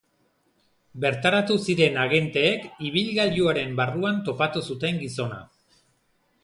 Bertaratu ziren agenteek ibilgailuaren barruan topatu zuten gizona.